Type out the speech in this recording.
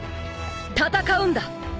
戦うんだ。